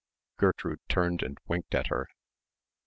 Gertrude turned and winked at her.